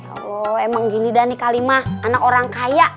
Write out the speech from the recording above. aku emang gini dani kalimah anak orang kaya